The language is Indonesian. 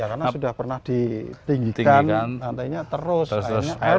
karena sudah pernah ditinggikan nantinya terus